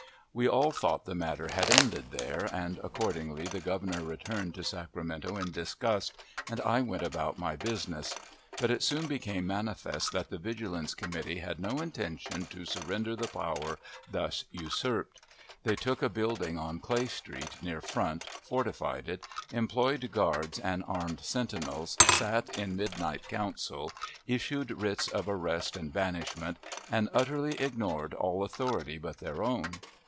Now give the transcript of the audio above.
We all thought the matter had ended there, and accordingly the Governor returned to Sacramento in disgust, and I went about my business. But it soon became manifest that the Vigilance Committee had no intention to surrender the power thus usurped. They took a building on Clay Street, near Front, fortified it, employed guards and armed sentinels, sat in midnight council, issued writs of arrest and banishment, and utterly ignored all authority but their own.